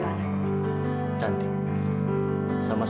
saya dekat di bawah